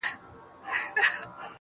زه به د ميني يوه در زده کړم.